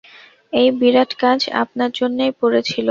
এই বিরাট কাজ আপনার জন্যই পড়ে ছিল।